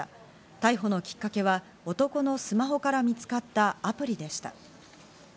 逮捕のきっかけは男のスマホから見つかったアプリでした。